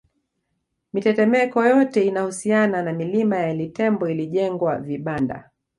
Mitetemeko yote inayohusiana na milima ya Litembo ilijengwa vibanda